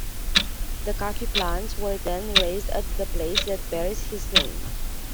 The coffee plants were then raised at the place that bears his name.